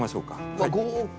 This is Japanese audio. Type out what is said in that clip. うわっ豪華！